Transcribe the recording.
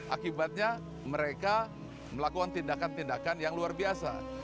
akibatnya mereka melakukan tindakan tindakan yang luar biasa